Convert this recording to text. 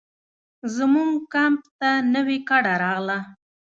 زموږ کمپ ته نوې کډه راغله.